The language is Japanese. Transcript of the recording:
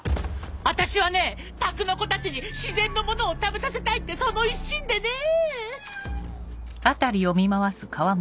私はね宅の子たちに自然のものを食べさせたいってその一心でねぇ。